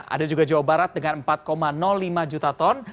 ada juga jawa barat dengan empat lima juta ton